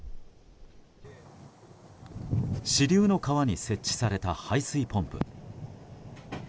支流の川に設置された排水ポンプ。